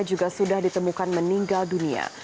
juga sudah ditemukan meninggal dunia